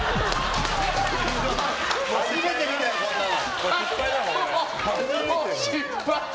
初めて見た、こんなの。